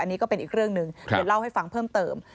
อันนี้ก็เป็นอีกเรื่องหนึ่งเดี๋ยวเล่าให้ฟังเพิ่มเติม